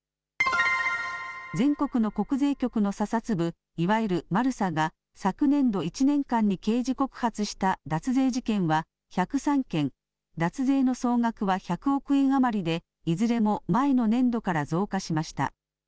全国の国税局の査察部、いわゆるマルサが、昨年度１年間に刑事告発した脱税事件は１０３件、脱税の総額は１００億円余りで、いずれも前の年度から増加しました。